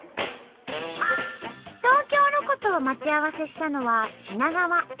東京ロコと待ち合わせしたのは品川。